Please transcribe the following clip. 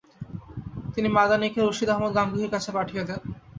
তিনি মাদানিকে রশিদ আহমদ গাঙ্গুহির কাছে পাঠিয়ে দেন।